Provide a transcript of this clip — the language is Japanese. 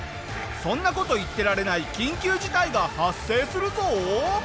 そんな事言ってられない緊急事態が発生するぞ！